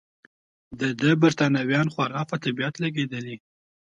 د ده بریتانویان خورا په طبیعت لګېدل.